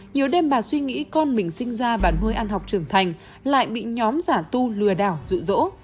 nhiều đêm bà suy nghĩ con mình sinh ra bà nuôi ăn học trưởng thành lại bị nhóm giả tu lừa đảo rụ rỗ